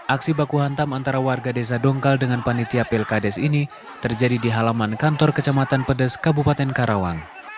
aksi baku hantam antara warga desa dongkal dengan panitia pilkades ini terjadi di halaman kantor kecamatan pedes kabupaten karawang